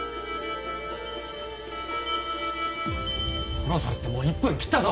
そろそろってもう１分切ったぞ！